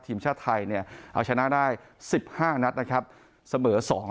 ทีมชาติไทยเนี่ยเอาชนะได้๑๕นัดนะครับเสมอ๒